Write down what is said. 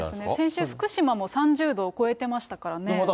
先週、福島も３０度を超えてましたからね。